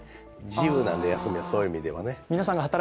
自由なんで、休みがそういう意味では。